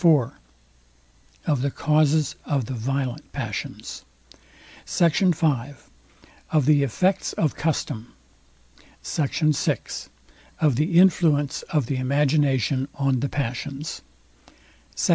IV OF THE CAUSES OF THE VIOLENT PASSIONS SECT. V OF THE EFFECTS OF CUSTOM SECT. VI OF THE INFLUENCE OF THE IMAGINATION ON THE PASSIONS SECT.